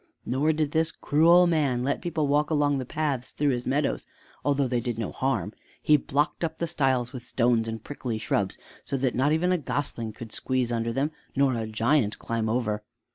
Nor did this cruel man let people walk along the paths through his meadows, although they did no harm. He blocked up the stiles with stones and prickly shrubs, so that not even a gosling could squeeze under them nor a giant climb over.